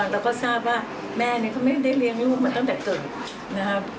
แล้วก็ทราบว่าแม่ก็ไม่ได้เลี้ยงลูกมาตั้งแต่เกิดนะครับ